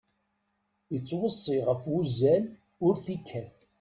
Ittweṣṣi ɣef wuzzal ur t-ikkat.